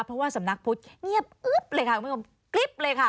เพราะว่าสำนักพุทธเงียบอึ๊บเลยค่ะ